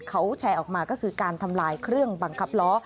เขาแชร์ออกมาก็คือการทำลายเครื่องบังคับล้อ